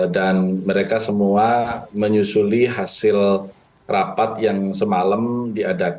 dan mereka semua menyusuli hasil rapat yang semalam diadakan